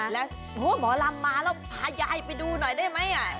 แล้วหมอลำมาแล้วพายายไปดูหน่อยได้ไหม